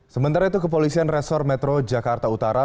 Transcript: sementara itu kepolisian resor metro jakarta utara